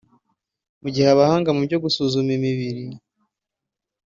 mu gihe abahanga mu byo gusuzuma imibiri